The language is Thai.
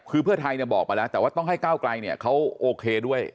คือเพื่อไทยบอกมาแล้วแต่ว่าต้องให้ก้าวไกลเนี่ยเขาโอเคด้วย